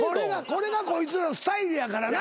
これがこいつらのスタイルやからな。